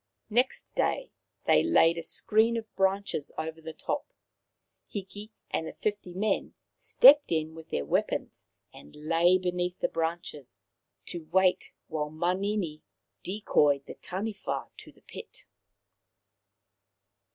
Next day they laid a screen of branches over the top. Hiki and the fifty men stepped in with their weapons, and lay hidden beneath the branches, to wait while Manini decoyed the Taniwha to the pit.